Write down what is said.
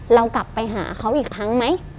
เรากลับไปหาเขาอีกครั้งไหม